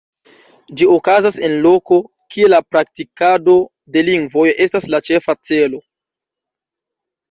Ĝi okazas en loko, kie la praktikado de lingvoj estas la ĉefa celo.